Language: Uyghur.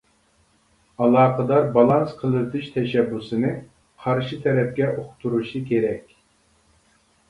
ئالاقىدار بالانس قىلىۋېتىش تەشەببۇسىنى قارشى تەرەپكە ئۇقتۇرۇشى كېرەك.